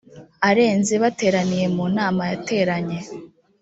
arenze bateraniye mu nama yateranye